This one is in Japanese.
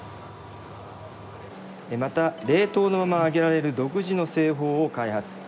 また冷凍のまま揚げられる独自の製法を開発。